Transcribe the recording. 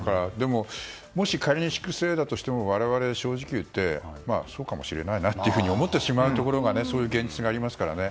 もし仮に粛清だとしても我々、正直言ってそうかもしれないなというふうに思ってしまう現実もありますからね。